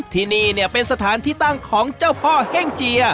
ที่นี่เป็นสถานที่ตั้งของเจ้าพ่อแห้งเจีย